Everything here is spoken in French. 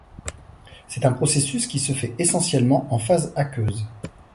C’est un processus qui se fait essentiellement en phase aqueuse.